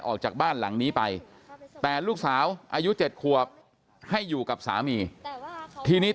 ออกจากบ้านหลังนี้ไปแต่ลูกสาวอายุ๗ขวบให้อยู่กับสามีทีนี้